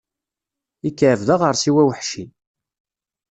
Ikɛeb d aɣersiw aweḥci.